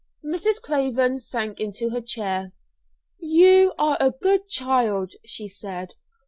Mrs. Craven sank into her chair. "You are a good child," she said.